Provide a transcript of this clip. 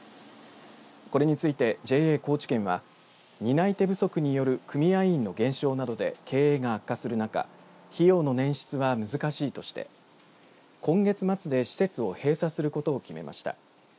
これについて、ＪＡ高知県は担い手不足による組合員の減少などで経営が悪化する中費用の捻出は難しいとして今月末で施設を閉鎖することを決めました。